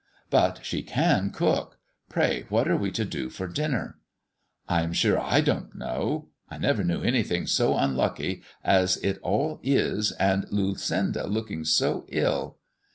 "But she can cook. Pray what are we to do for dinner?" "I am sure I don't know. I never knew anything so unlucky as it all is, and Lucinda looking so ill."